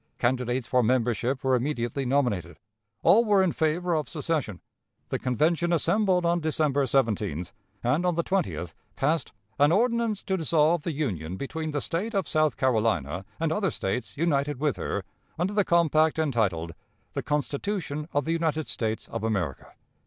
Candidates for membership were immediately nominated. All were in favor of secession. The Convention assembled on December 17th, and on the 20th passed "an ordinance to dissolve the union between the State of South Carolina and other States united with her under the compact entitled 'The Constitution of the United States of America.'"